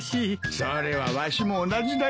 それはわしも同じだよ。